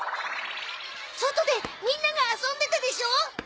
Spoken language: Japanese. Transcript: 外でみんなが遊んでたでしょ？